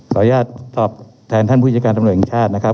ตอบแทนท่านผู้จัดการตำรวจแห่งชาตินะครับ